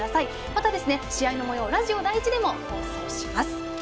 また試合のもようはラジオ第１でも放送します。